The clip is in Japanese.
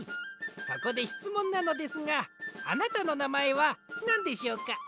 そこでしつもんなのですがあなたのなまえはなんでしょうか？